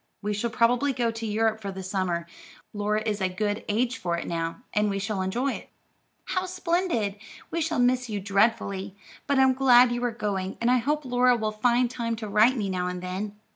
"We shall probably go to Europe for the summer. Laura is a good age for it now, and we shall all enjoy it." "How splendid! We shall miss you dreadfully, but I'm glad you are going, and I hope Laura will find time to write me now and then.